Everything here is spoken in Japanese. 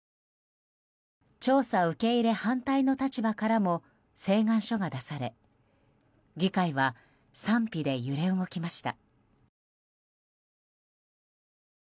調査受け入れ反対の立場からも請願書が出され議会は賛否で揺れ動きました。